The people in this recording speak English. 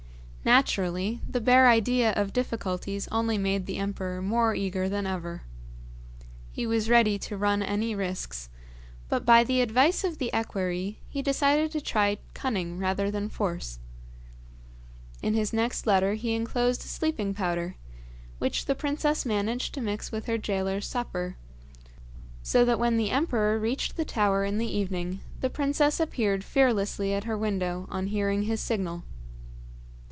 Naturally, the bare idea of difficulties only made the emperor more eager than ever. He was ready to run any risks, but, by the advice of the equerry, he decided to try cunning rather than force. In his next letter he enclosed a sleeping powder, which the princess managed to mix with her gaoler's supper, so that when the emperor reached the tower in the evening the princess appeared fearlessly at her window on hearing his signal.